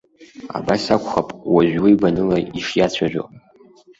Абас акәхап уажә уи гәаныла ишиацәажәо.